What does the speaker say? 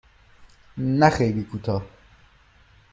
نه خیلی کوتاه.